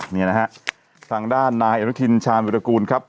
นี่นะฮะทางด้านนายอนุทินชาญวิรากูลครับ